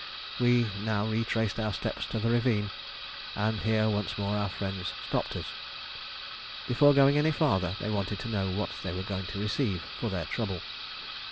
We now retraced our steps up the ravine, and here once more our friends stopped us. Before going any farther, they wanted to know what they were going to receive for their trouble.